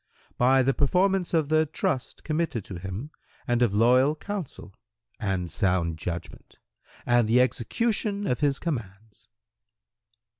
"—"By the performance of the trust committed to him and of loyal counsel and sound judgment and the execution of his commands."